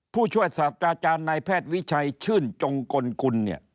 ผู้ช่วยศาสตราจารย์นายแพทย์วิชัยชื่นจงกลกุลเนี่ย